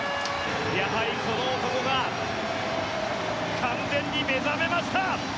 やはりこの男が完全に目覚めました。